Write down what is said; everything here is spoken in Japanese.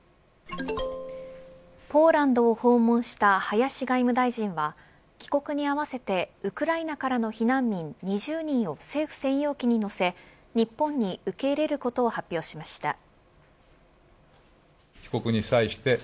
ポーランドを訪問した林外務大臣は帰国に合わせてウクライナからの避難民２０人を政府専用機に乗せ日本に受け入れることを発表しました。